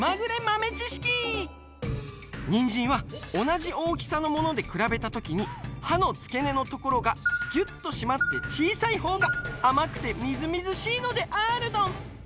にんじんはおなじおおきさのものでくらべたときにはのつけねのところがギュッとしまってちいさいほうがあまくてみずみずしいのであるドン！